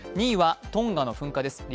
２位はトンガの噴火です。